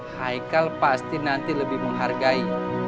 haikal pasti nanti lebih menghargai